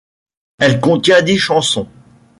Elle contient dix chansons.